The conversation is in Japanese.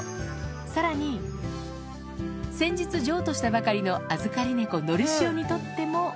さらに、先日譲渡したばかりの預かり猫、のりしおにとっても。